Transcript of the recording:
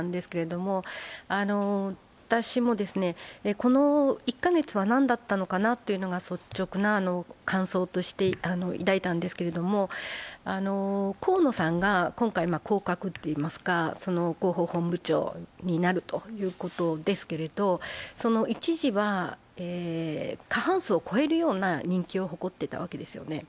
この１か月は何だったんだろうなというのが率直な感想として抱いたんですけれども、河野さんが今回、降格といいますか広報本部長になるということですけれども、一時は過半数を超えるような人気を誇っていたわけですよね。